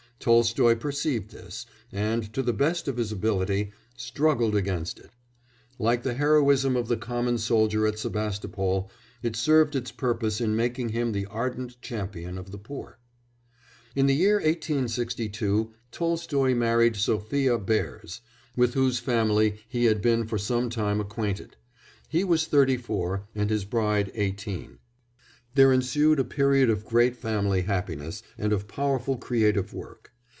Tolstoy perceived this and, to the best of his ability, struggled against it; like the heroism of the common soldier at Sebastopol, it served its purpose in making him the ardent champion of the poor. In the year 1862 Tolstoy married Sophia Behrs, with whose family he had been for some time acquainted; he was thirty four and his bride eighteen. There ensued a period of great family happiness and of powerful creative work.